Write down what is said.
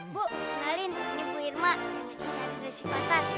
bu nalin ini bu irma yang ngecas saya dari sipatas